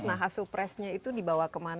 nah hasil press nya itu dibawakan ke tempat lain